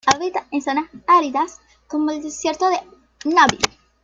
Habita en zona áridas, como el desierto de Namib.